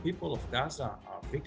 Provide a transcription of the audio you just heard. orang orang gaza adalah pembunuh